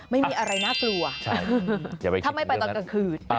ไม่มีอะไรน่ากลัวถ้าไม่ไปตอนกลางคืน